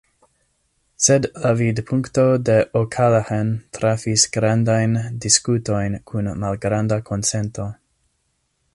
Sed la vidpunkto de O’Callaghan trafis grandajn diskutojn kun malgranda konsento.